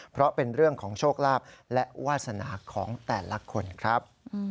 เพราะเป็นเรื่องของโชคลาภและวาสนาของแต่ละคนครับ